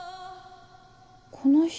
この人。